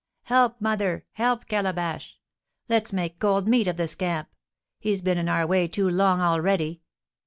Help, mother! Help, Calabash! Let's make cold meat of the scamp; he's been in our way too long already!"